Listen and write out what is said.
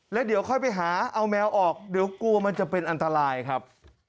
แล้วเดี๋ยวค่อยไปหาเอาแมวออกเดี๋ยวกลัวมันจะเป็นอันตรายครับ